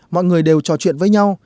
mọi người đều trò chuyện với nhau